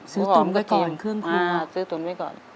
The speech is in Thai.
ซื้อหอมก็เตรียมซื้อตุ๋นไว้ก่อน